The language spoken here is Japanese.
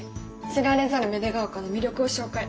知られざる芽出ヶ丘の魅力を紹介。